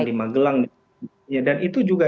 di magelang dan itu juga